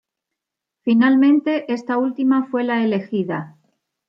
Finalmente, esta última fue la elegida.